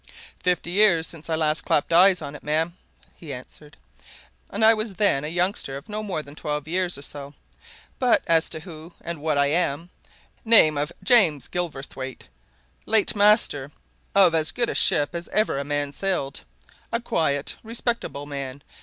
"Fifty years since I last clapped eyes on it, ma'am," he answered. "And I was then a youngster of no more than twelve years or so. But as to who and what I am name of James Gilverthwaite. Late master of as good a ship as ever a man sailed. A quiet, respectable man.